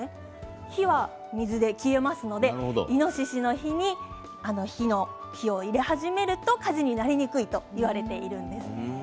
火は水で消えますのでイノシシの日に火を入れ始めると火事になりにくいといわれているんです。